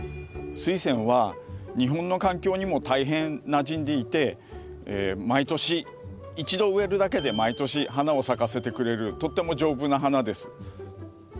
スイセンは日本の環境にも大変なじんでいて毎年一度植えるだけで毎年花を咲かせてくれるとっても丈夫な花です。